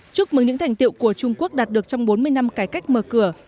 chúc mừng những thành tiệu của trung quốc đạt được trong bốn mươi năm cải cách mở cửa